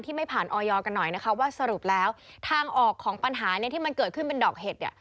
ไม่ผ่านออยกันหน่อยนะคะว่าสรุปแล้วทางออกของปัญหาเนี่ยที่มันเกิดขึ้นเป็นดอกเห็ดเนี่ย